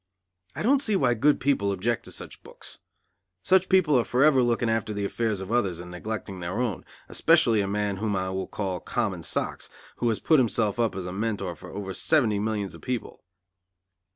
I don't see why good people object to such books. Some people are forever looking after the affairs of others and neglecting their own; especially a man whom I will call Common Socks who has put himself up as a mentor for over seventy millions of people.